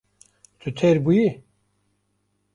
Tu têr bûyî?